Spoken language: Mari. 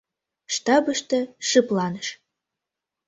Штабыште шыпланыш.